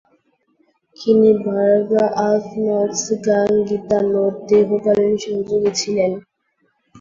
কিনিবার্গ আলফনস গাঙ্গিতানোর দীর্ঘকালীন সহযোগী ছিলেন।